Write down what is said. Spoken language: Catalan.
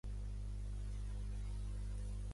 Un d'ells era Richard Lance Christie de Tulsa, Oklahoma.